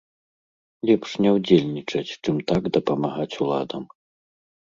Лепш не ўдзельнічаць, чым так дапамагаць уладам.